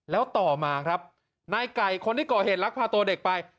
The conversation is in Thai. แล้วต่อมาครับนายไก่คนที่ก่อเหตุลักพาตัวเด็กไป